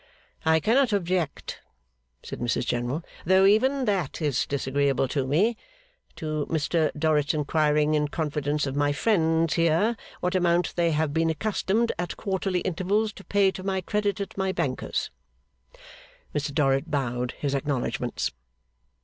'I cannot object,' said Mrs General 'though even that is disagreeable to me to Mr Dorrit's inquiring, in confidence of my friends here, what amount they have been accustomed, at quarterly intervals, to pay to my credit at my bankers'.' Mr Dorrit bowed his acknowledgements.